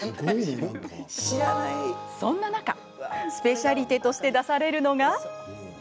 そんな中、スペシャリテとして出されるのが。